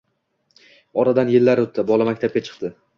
Oradan yillar o`tdi, bola maktabga chiqdi